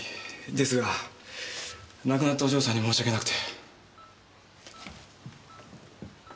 ですが亡くなったお嬢さんに申し訳なくて。